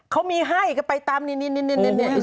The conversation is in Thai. เขามีให้ก็ไปตามนิดนิดแหน